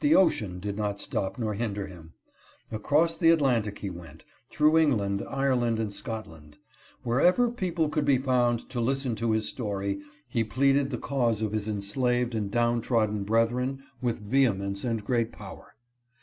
The ocean did not stop nor hinder him. Across the Atlantic he went, through England, Ireland, and Scotland. Wherever people could be found to listen to his story, he pleaded the cause of his enslaved and down trodden brethren with vehemence and great power.